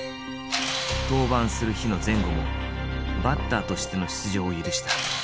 登板する日の前後もバッターとしての出場を許した。